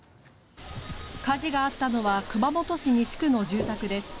火事があったのは熊本市西区の住宅です。